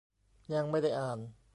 ยังไม่ได้อ่าน